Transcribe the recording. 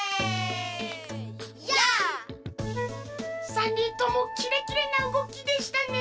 ３にんともキレキレなうごきでしたね。